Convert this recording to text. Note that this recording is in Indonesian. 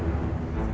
ambil kamu pak